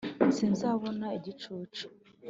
sinzabona igicucu,